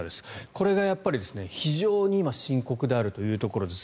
これが非常に今深刻であるというところです。